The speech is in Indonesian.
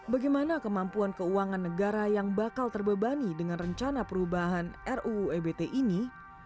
bagaimana kemampuan keuangan negara yang bakal terbebani dengan rencana perubahan ruu ebt ini